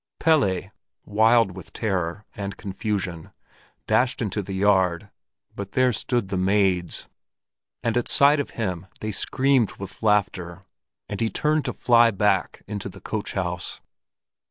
Pelle, wild with terror and confusion, dashed into the yard, but there stood the maids, and at sight of him they screamed with laughter, and he turned to fly back into the coach house.